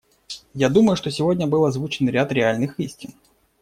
Я думаю, что сегодня был озвучен ряд реальных истин.